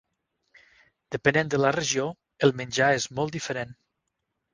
Depenent de la regió, el menjar és molt diferent.